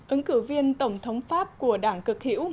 ứng cử viên tổng thống pháp của đảng cực hữu